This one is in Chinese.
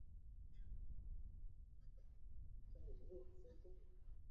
人文大学是蒙古国首都乌兰巴托的一所私立大学。